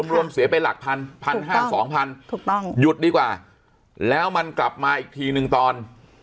รวมเสียไปหลักพัน๑๕๐๐๒๐๐ถูกต้องหยุดดีกว่าแล้วมันกลับมาอีกทีหนึ่งตอน